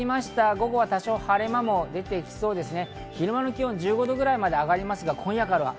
午後は多少晴れ間も出てきそうですね。